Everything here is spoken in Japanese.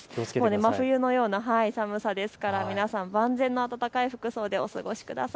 真冬のような寒さですから皆さん万全の暖かい服装でお過ごしください。